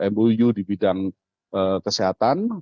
mou di bidang kesehatan